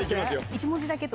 １文字だけ。